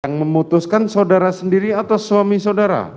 yang memutuskan saudara sendiri atau suami saudara